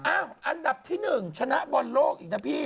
อันดับที่๑ชนะบอลโลกอีกนะพี่